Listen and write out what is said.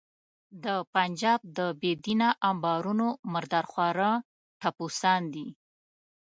د پنجاب د بې دینه امبارونو مردار خواره ټپوسان دي.